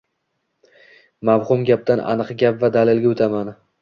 Mavhum gapdan aniq gap va dalilga o‘taman.